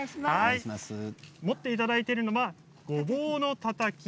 持っていただいているのはごぼうのたたき。